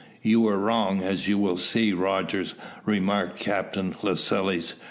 "You were wrong, as you will see, Rogers," remarked Captain Lascelles.